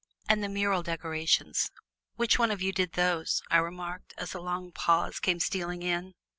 "And the mural decorations which one of you did those?" I remarked, as a long pause came stealing in.